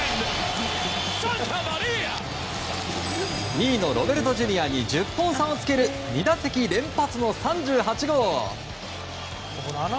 ２位のロベルトＪｒ．に１０本差をつける２打席連発の３８号。